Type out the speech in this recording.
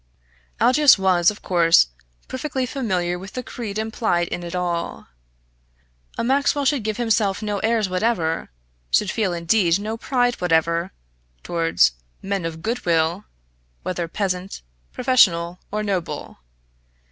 Aldous was, of course, perfectly familiar with the creed implied in it all. A Maxwell should give himself no airs whatever, should indeed feel no pride whatever, towards "men of goodwill," whether peasant, professional, or noble.